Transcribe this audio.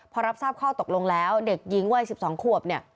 พอรับทราบข้อตกลงแล้วเด็กยิ้งวัย๑๒ขวบ